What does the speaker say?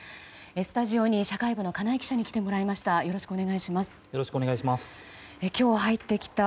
スタジオに社会部の金井記者に来てもらいました。